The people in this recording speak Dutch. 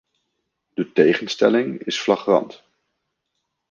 De tegenstelling is flagrant.